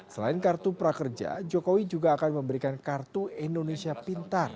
selain kartu prakerja jokowi juga akan memberikan kartu indonesia pintar